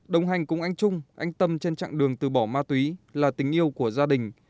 đồng hành cùng anh trung anh tâm trên chặng đường từ bỏ ma túy là tình yêu của gia đình